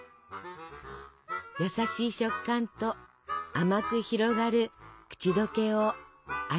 優しい食感と甘く広がる口どけを味わって。